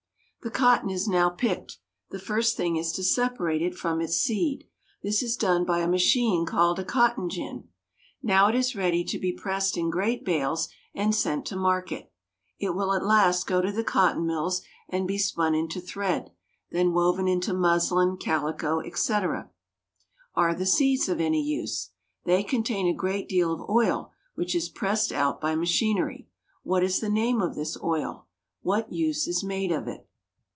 The cotton is now picked. The first thing is to separate it from its seed. This is done by a machine called a cotton gin. [Illustration: "FLAX IS A SMALL PLANT."] Now it is ready to be pressed in great bales and sent to market. It will, at last, go to the cotton mills and be spun into thread, then woven into muslin, calico, etc. Are the seeds of any use? They contain a great deal of oil, which is pressed out by machinery. What is the name of this oil? What use is made of it?